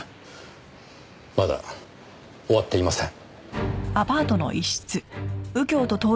まだ終わっていません。